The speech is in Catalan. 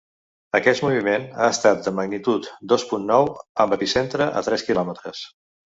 Aquest moviment ha estat de magnitud dos punt nou, amb l’epicentre a tres quilòmetres.